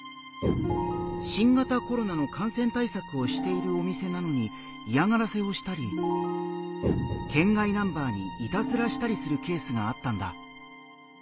新型コロナの感染対策をしているお店なのに嫌がらせをしたり県外ナンバーにいたずらしたりするケースがあったんだ。